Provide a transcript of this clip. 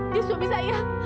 dia suami saya